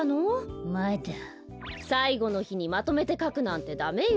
さいごのひにまとめてかくなんてダメよ。